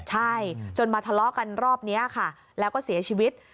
ใช่จนมาทะเลาะกันรอบนี้ค่ะแล้วก็เสียชีวิต